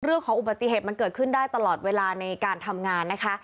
เรื่องของอุบัติเหตุมันเกิดขึ้นได้ตลอดเวลาในการทำงานนะคะ